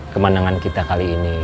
kemanangan kita kali ini